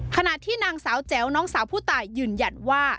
ขณะที่นางสาวแจ๋วน้องสาวผู้ตายยืนยันว่า